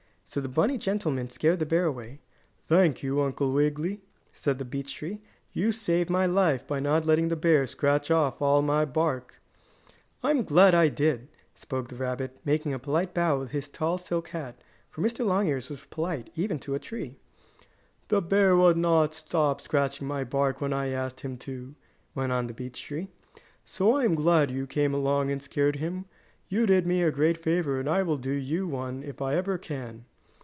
So the bunny gentleman scared the bear away. "Thank you, Uncle Wiggily," said the beech tree. "You saved my life by not letting the bear scratch off all my bark." "I am glad I did," spoke the rabbit, making a polite bow with his tall silk hat, for Mr. Longears was polite, even to a tree. "The bear would not stop scratching my bark when I asked him to," went on the beech tree, "so I am glad you came along, and scared him. You did me a great favor and I will do you one if I ever can."